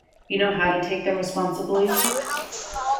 You know how to take them responsibly?